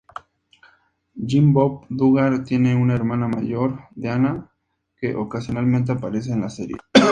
Jim Bob Duggar tiene una hermana mayor, Deanna, que ocasionalmente aparece en la serie.